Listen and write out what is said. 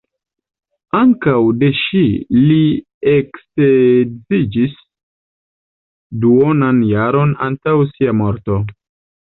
Ankaŭ de ŝi li eksedziĝis duonan jaron antaŭ sia morto.